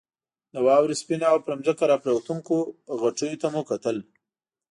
د واورې سپینو او پر ځمکه راپرېوتونکو غټیو ته مو کتل.